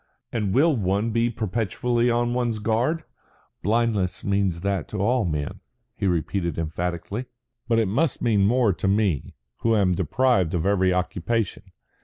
And will one be perpetually on one's guard? Blindness means that to all men," he repeated emphatically. "But it must mean more to me, who am deprived of every occupation.